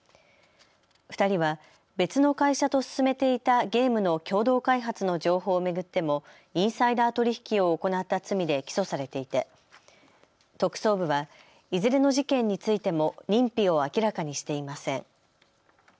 ２人は別の会社と進めていたゲームの共同開発の情報を巡ってもインサイダー取引を行った罪で起訴されていて特捜部はいずれの事件についても認否を明らかにしていません。